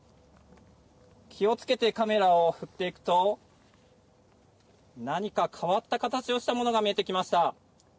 気をつけてカメラを振っていくと何か変わった形をしたものが見えてきました。